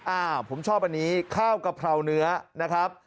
อ่าผมชอบอันนี้ข้าวกะเพราเนื้อนะครับ